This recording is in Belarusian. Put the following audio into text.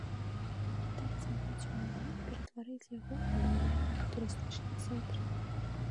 Кітайцы маюць намер ператварыць яго ў забаўляльна-турыстычны цэнтр.